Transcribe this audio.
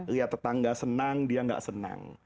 lihat tetangga senang dia gak senang